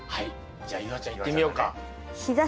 じゃあ夕空ちゃんいってみようか。